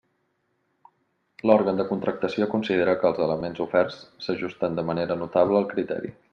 L'òrgan de contractació considera que els elements oferts s'ajusten de manera notable al criteri.